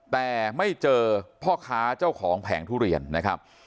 แต่ไม่เจอพ่อค้าเจ้าของแผงทุเรียนนะครับ